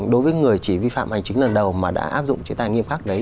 đối với người chỉ vi phạm hành chính lần đầu mà đã áp dụng chế tài nghiêm khắc đấy